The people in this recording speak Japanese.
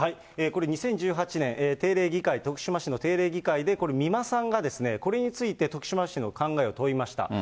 これ、２０１８年、定例議会、徳島市の定例議会で、これ、美馬さんがこれについて徳島市の考えを問いました。